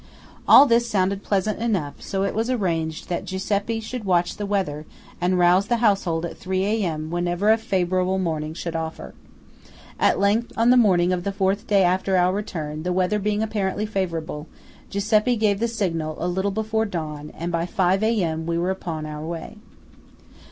All this sounded pleasant enough; so it was arranged that Giuseppe should watch the weather, and rouse the household at 3 A.M. whenever a favourable morning should offer. At length, on the morning of the fourth day after our return, the weather being apparently favourable, Giuseppe gave the signal a little before dawn, and by 5 A.M. we were upon our way.